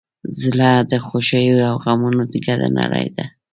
زړه د خوښیو او غمونو ګډه نړۍ ده.